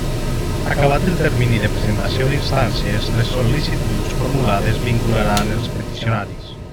Acabat el termini de presentació d'instàncies, les sol·licituds formulades vincularan els peticionaris.